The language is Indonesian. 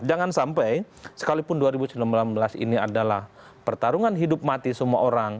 jangan sampai sekalipun dua ribu sembilan belas ini adalah pertarungan hidup mati semua orang